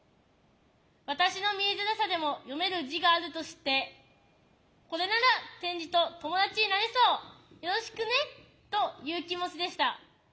私の見えづらさでも読める字があると知ってこれなら点字と友達になれそうよろしくねという気持ちでした。